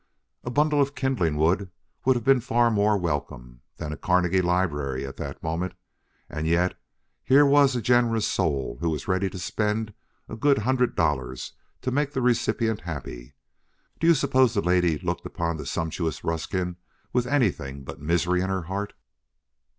A bundle of kindling wood would have been far more welcome than a Carnegie library at that moment, and yet here was a generous soul who was ready to spend a good hundred dollars to make the recipient happy. Do you suppose the lady looked upon that sumptuous Ruskin with anything but misery in her heart?"